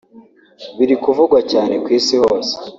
biri kuvugwa cyane ku isi hose